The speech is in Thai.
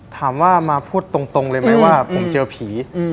ถามว่ามาพูดตรงเลยไหมว่าผมเจอผี